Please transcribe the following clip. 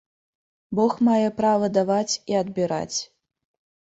Бог мае права даваць і адбіраць.